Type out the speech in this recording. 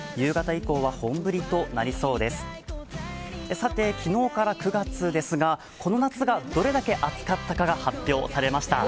さて昨日から９月ですがこの夏がどれだけ暑かったかが発表されました